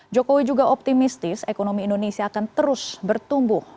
jokowi juga optimistis ekonomi indonesia akan terus bertumbuh